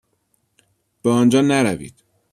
به آن جا نروید.